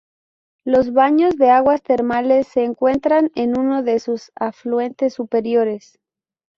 Los Baños de aguas termales se encuentran en uno de sus afluentes superiores.